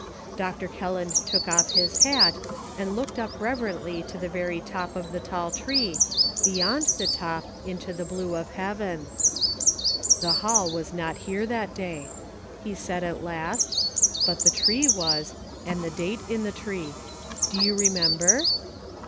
Dr. Kelland took off his hat and looked up reverently to the very top of the tall tree, beyond the top, into the blue of heaven, " The hall was not here that day," he said at last, " but the tree was, and the date in the tree. Do you remember